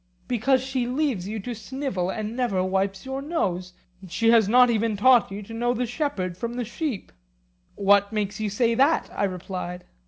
Because she leaves you to snivel, and never wipes your nose: she has not even taught you to know the shepherd from the sheep. What makes you say that? I replied.